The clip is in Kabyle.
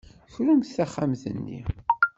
Krumt taxxamt-nni.